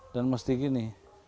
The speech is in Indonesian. dan mesti gini